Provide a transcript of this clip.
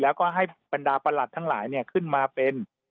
แล้วก็ให้บรรดาประหลัดทั้งหลายขึ้นมาเป็น